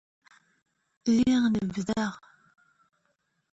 Lliɣ nebbḍeɣ.